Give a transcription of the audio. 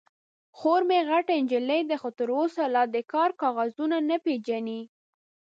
_خور مې غټه نجلۍ ده، خو تر اوسه لا د کار کاغذونه نه پېژني.